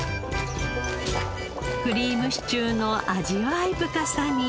クリームシチューの味わい深さに。